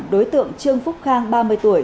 đối tượng trương phúc khang ba mươi tuổi